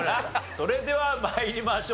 それでは参りましょう。